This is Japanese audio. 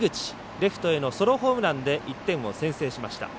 レフトへのソロホームランで１点を先制しました。